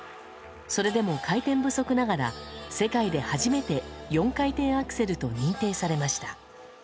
それでも、回転不足ながら世界で初めて４回転アクセルと認定されました。